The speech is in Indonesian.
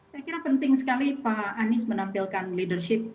saya kira penting sekali pak anies menampilkan leadership